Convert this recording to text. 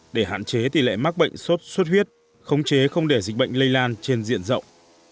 để hạn chế tỷ lệ mắc bệnh sốt xuất huyết khống chế không để dịch bệnh lây lan trên diện rộng